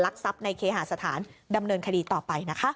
ทรัพย์ในเคหาสถานดำเนินคดีต่อไปนะคะ